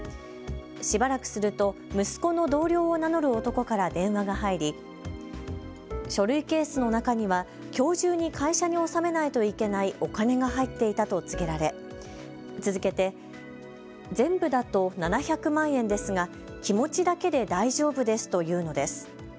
しばらくすると息子の同僚を名乗る男から電話が入り書類ケースの中には、きょう中に会社に納めないといけないお金が入っていたと告げられ、続けて全部だと７００万円ですが気持ちだけで大丈夫ですと言うのです。